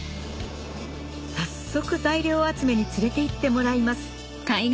早速材料集めに連れていってもらいます匂い？